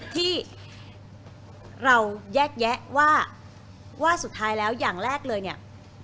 ที่เราแยกแยะว่าว่าสุดท้ายแล้วอย่างแรกเลยเนี่ย